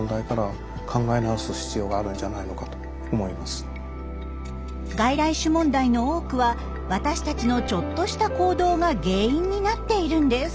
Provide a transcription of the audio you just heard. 私たちはやっぱり外来種問題の多くは私たちのちょっとした行動が原因になっているんです。